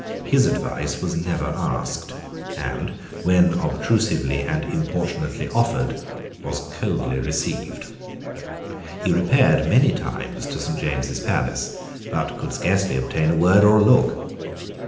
His advice was never asked, and, when obtrusively and importunately offered, was coldly received. He repaired many times to Saint James's Palace, but could scarcely obtain a word or a look.